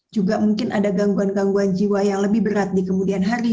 juga mungkin ada gangguan gangguan jiwa yang lebih berat di kemudian hari